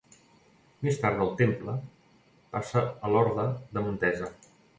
Més tard del Temple passa a l’Orde de Montesa.